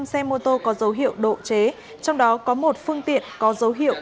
năm xe mô tô có dấu hiệu độ chế trong đó có một phương tiện có dấu hiệu